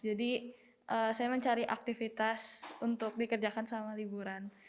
jadi saya mencari aktivitas untuk dikerjakan selama liburan